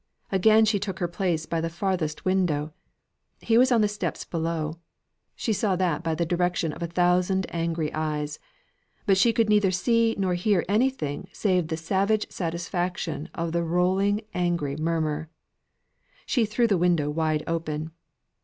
Again she took her place by the farthest window. He was on the steps below; she saw that by the direction of a thousand angry eyes; but she could neither see nor hear anything save the savage satisfaction of the rolling angry murmur. See threw the window wide open.